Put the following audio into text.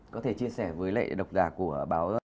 để chia sẻ với lại độc giả của báo